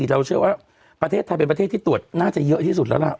เราเชื่อว่าประเทศไทยเป็นประเทศที่ตรวจน่าจะเยอะที่สุดแล้วล่ะ